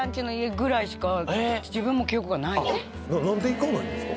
な何で行かないんですか？